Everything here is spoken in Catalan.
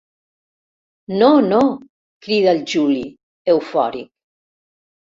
No, no —crida el Juli, eufòric—.